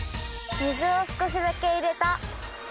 水を少しだけ入れた。